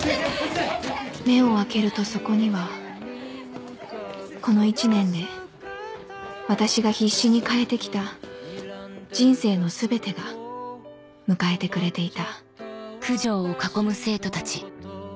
目を開けるとそこにはこの一年で私が必死に変えてきた人生の全てが迎えてくれていた